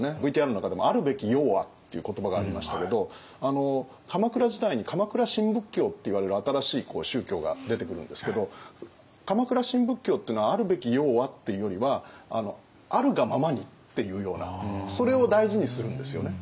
ＶＴＲの中でも「あるべきようは」っていう言葉がありましたけど鎌倉時代に鎌倉新仏教っていわれる新しい宗教が出てくるんですけど鎌倉新仏教っていうのは「あるべきようは」っていうよりは「あるがままに」っていうようなそれを大事にするんですよね。